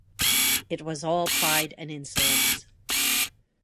It was all pride and insolence.